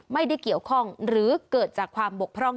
ไม่ได้เกี่ยวข้องหรือเกิดจากความบกพร่อง